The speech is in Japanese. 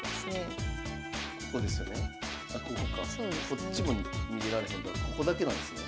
こっちも逃げられへんからここだけなんですね。